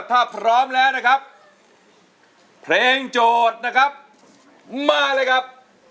ถ้าพร้อมแล้วนะครับเพลงโจทย์นะครับมาเลยครับ